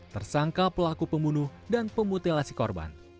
tersangka pelaku pembunuh dan pemutilasi korban